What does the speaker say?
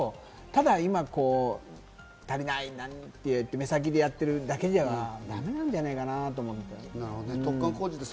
ただ、今足りないって、目先でやっているだけではだめなんじゃないかなって思って。